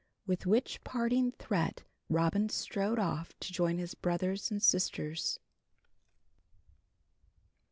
With which parting threat Robin strode off to join his brothers and sisters.